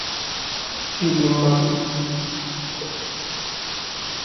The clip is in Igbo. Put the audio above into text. igbu mmadụ